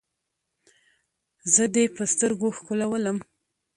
زه دې په سترګو ښکلوم.